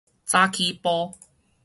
早起晡